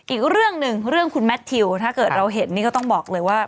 อีกเรื่องหนึ่งเรื่องคุณแมททิวถ้าเกิดเราเห็นนี่ก็ต้องบอกเลยว่า